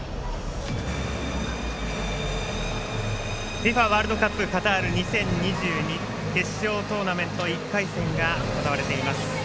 ＦＩＦＡワールドカップカタール２０２２決勝トーナメント１回戦が行われています。